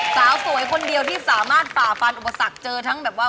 สาวสวยคนเดียวที่สามารถฝ่าฟันอุปสรรคเจอทั้งแบบว่า